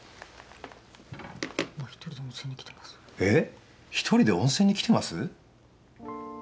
「一人で温泉に来てます」？